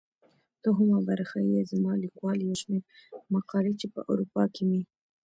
دوهمه برخه يې زما ليکوال يو شمېر مقالې چي په اروپا کې مي.